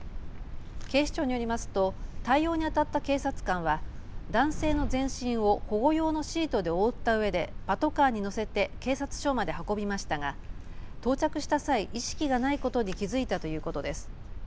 警視庁によりますと対応にあたった警察官は男性の全身を応用の強いとで追った上でパトカーに乗せて警察署まで運びましたが、到着した際、意識がないことに気付いたということです。